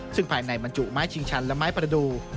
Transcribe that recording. ซึ่งภายในบรรจุไม้ชิงชันและไม้ประดูก